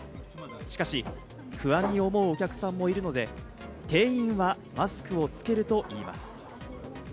しかし、不安に思うお客さんもいるので店員はマスクをつけるといいます。